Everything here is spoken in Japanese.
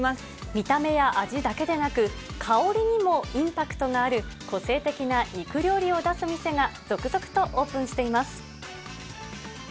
見た目や味だけでなく、香りにもインパクトがある個性的な肉料理を出す店が続々とオープンしています。